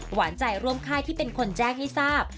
หวานใจร่วมค่ายที่เป็นคนแจ้งให้ทราบ